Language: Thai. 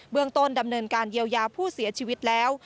เมืองต้นดำเนินการเยียวยาผู้เสียชีวิตแล้ว